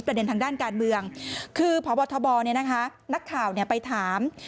ทางด้านการเมืองคือพบทบนักข่าวไปถาม